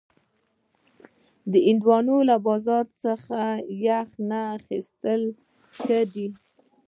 هندوانه له بازار نه یخ اخیستل ښه دي.